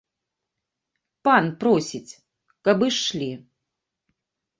Пан просіць, каб ішлі.